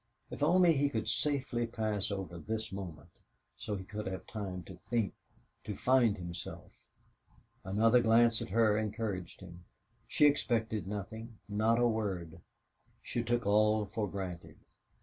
If only he could safely pass over this moment, so he could have time to think, to find himself. Another glance at her encouraged him. She expected nothing not a word; she took all for granted.